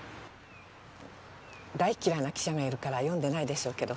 大嫌いな記者がいるから読んでないでしょうけど。